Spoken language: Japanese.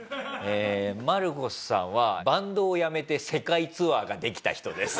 マルコスさんはバンドを辞めて世界ツアーができた人です。